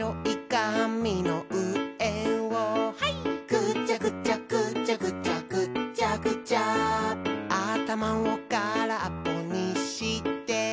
「ぐちゃぐちゃぐちゃぐちゃぐっちゃぐちゃ」「あたまをからっぽにしてハイ！」